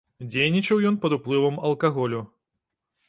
Дзейнічаў ён пад уплывам алкаголю.